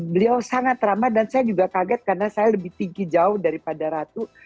beliau sangat ramah dan saya juga kaget karena saya lebih tinggi jauh daripada ratu